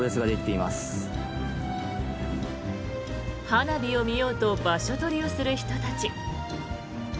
花火を見ようと場所取りをする人たち。